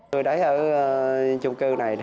tôi thấy ở chung cư này